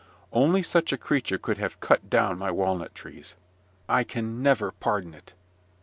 Only such a creature could have cut down my walnut trees! I can never pardon it.